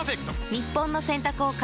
日本の洗濯を変える１本。